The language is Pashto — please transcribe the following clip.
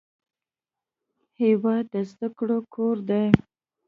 هېواد د زده کړو کور دی.